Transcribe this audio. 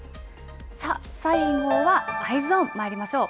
最後はＥｙｅｓｏｎ、まいりましょう。